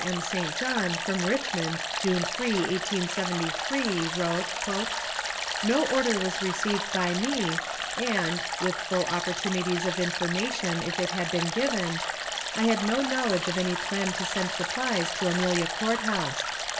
M. St. John, from Richmond, June 3, 1873, wrote: "No order was received by me, and (with full opportunities of information if it had been given) I had no knowledge of any plan to send supplies to Amelia Court House.